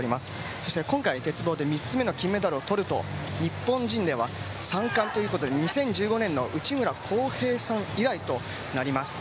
そして今回、鉄棒で３つ目の金メダルをとると日本人では３冠ということで２０１５年の内村航平さん以来となります。